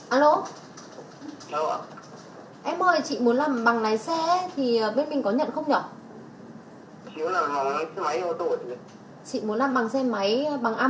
alo em ơi chị muốn làm bằng lái xe